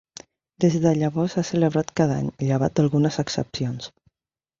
Des de llavors s'ha celebrat cada any, llevat d'algunes excepcions.